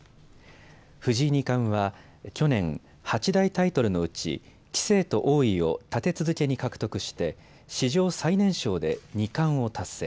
藤井二冠は去年、八大タイトルのうち棋聖と王位を立て続けに獲得して史上最年少で二冠を達成。